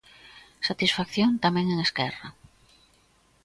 Satisfacción tamén en Esquerra.